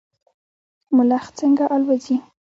ملخ څنګه الوځي؟